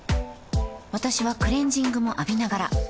私はクレジングも浴びながら